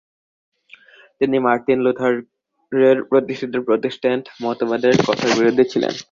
তিনি মার্টিন লুথারের প্রতিষ্ঠিত প্রোটেস্ট্যান্ট মতবাদের কঠোর বিরোধী ছিলেন।